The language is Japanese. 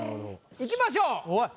いきましょう。